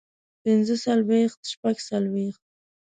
پنځۀ څلوېښت شپږ څلوېښت